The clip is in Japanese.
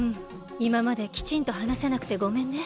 いままできちんとはなせなくてごめんね。